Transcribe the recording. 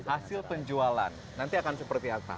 hasil penjualan nanti akan seperti apa